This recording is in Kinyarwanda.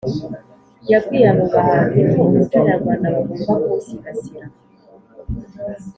yabwiye abo bahanzi ko umuco nyarwanda bagomba kuwusigasira,